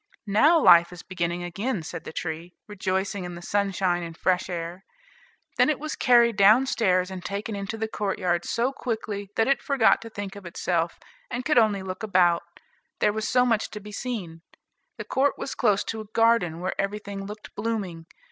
"Now life is beginning again," said the tree, rejoicing in the sunshine and fresh air. Then it was carried down stairs and taken into the courtyard so quickly, that it forgot to think of itself, and could only look about, there was so much to be seen. The court was close to a garden, where everything looked blooming.